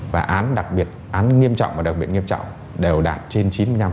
và án nghiêm trọng và đặc biệt nghiêm trọng đều đạt trên chín mươi năm